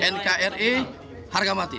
nkri harga mati